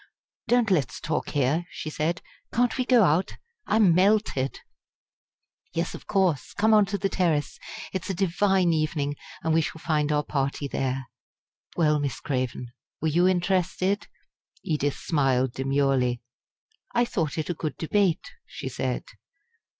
"Don't let's talk here," she said. "Can't we go out? I am melted!" "Yes, of course! Come on to the terrace. It's a divine evening, and we shall find our party there. Well, Miss Craven, were you interested?" Edith smiled demurely. "I thought it a good debate," she said.